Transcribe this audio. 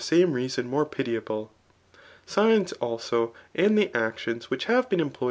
j3ji4ie reason more pitiable. Signs, also, and the actions [which have been eriqplo^^.